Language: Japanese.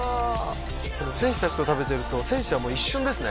選手達と食べてると選手はもう一瞬ですね